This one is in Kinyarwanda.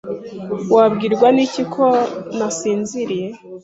Wabwirwa n'iki ko ntasinziriye?